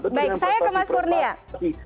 baik saya ke mas kurnia